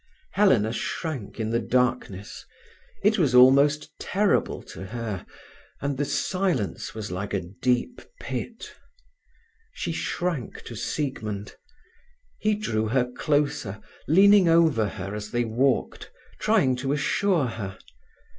Helena shrank in the darkness. It was almost terrible to her, and the silence was like a deep pit. She shrank to Siegmund. He drew her closer, leaning over her as they walked, trying to assure her.